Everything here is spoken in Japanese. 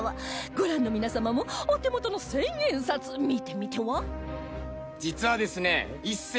ご覧の皆様もお手元の１０００円札見てみては？